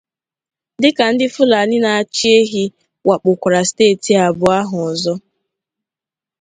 dịka ndị Fulani na-achị ehi wakpòkwàrà steeti abụọ ahụ ọzọ